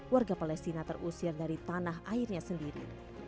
warga palestina terusir dari tanah airnya sendiri